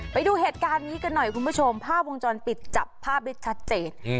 ไปดูเหตุการณ์นี้กันหน่อยคุณผู้ชมภาพวงจรปิดจับภาพได้ชัดเจน